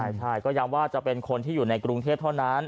ใช่ก็ย้ำว่าจะเป็นคนที่อยู่ในกรุงเทพเท่านั้น